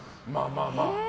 まあまあ。